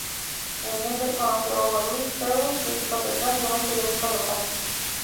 En Denver conoció a Hugo Louis Sherwin, crítico teatral de un periódico local.